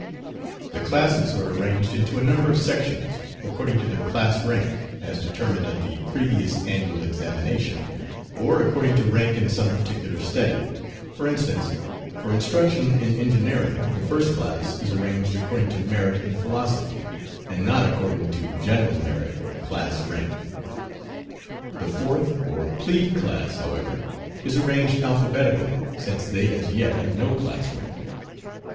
The classes are arranged into a number of sections, according to their class rank, as determined at the previous annual examination, or according to rank in some particular study for instance, for instruction in engineering the first class is arranged according to merit in philosophy, and not according to general merit or class rank. The fourth, or "plebe" class, however, is arranged alphabetically since they as yet have no class rank.